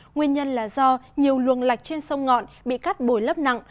nguyên nhân là do nhiều luồng lạch trên sông ngọn bị cắt bồi lấp nặng